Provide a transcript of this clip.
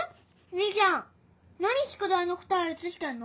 兄ちゃん何宿題の答え写してんの？